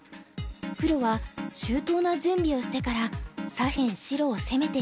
黒は周到な準備をしてから左辺白を攻めていきます。